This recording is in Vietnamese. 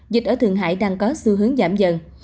dịch ở thường hải đang có xu hướng giảm dần